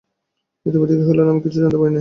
ইতিমধ্যে কী হইল আমি কিছুই জানিতে পারি নাই।